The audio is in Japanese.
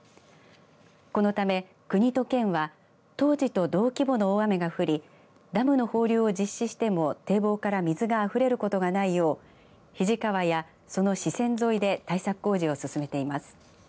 このため、国と県は当時と同規模の大雨が降りダムの放流を実施しても堤防から水があふれることがないよう肱川や、その支川沿いで対策工事を進めています。